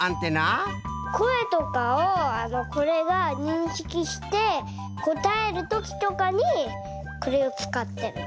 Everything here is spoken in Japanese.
こえとかをこれがにんしきしてこたえるときとかにこれをつかってるの。